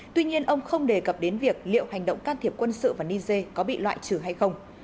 tuy nhiên ông không đề cập đến việc liệu hành động can thiệp quân sự vào niger có bị loại trừ hay không